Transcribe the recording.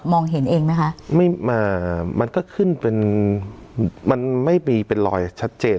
ไม่มามันก็ขึ้นเป็นมันไม่มีเป็นรอยชัดเจน